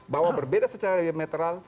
bahwa berbeda secara diametral